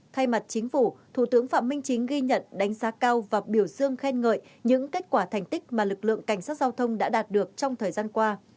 thay mặt chính phủ thủ tướng phạm minh chính ghi nhận đánh giá cao và biểu dương khen ngợi những kết quả thành tích mà lực lượng cảnh sát giao thông đã đạt được trong thời gian qua